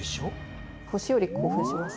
星より興奮します。